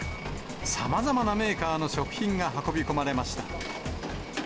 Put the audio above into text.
さまざまなメーカーの食品が運び込まれました。